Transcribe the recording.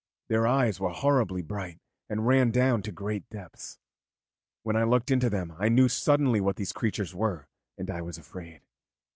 Their eyes were horribly bright, and ran down to great depths. When I looked into them I knew suddenly what these creatures were, and I was afraid.